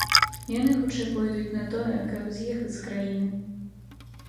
Яны хутчэй пойдуць на тое, каб з'ехаць з краіны.